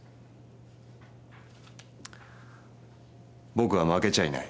僕は負けちゃいない。